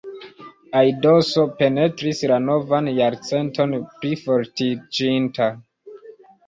Aidoso penetris la novan jarcenton plifortiĝinta.